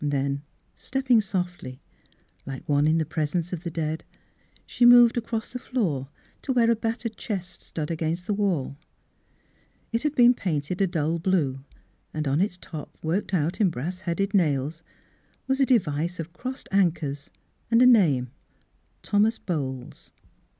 Then stepping softly, hke one In the presence of the dead, she moved across the floor to where a battered chest stood against the walL It had been painted a dull blue, and on its top worked out in brass headed nails was a device of crossed anchors and a name, Thomas Bowles.